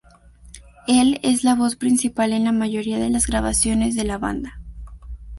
Él es la voz principal en la mayoría de las grabaciones de la banda.